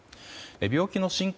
病気の進行